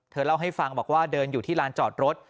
เล่าให้ฟังบอกว่าเดินอยู่ที่ลานจอดรถ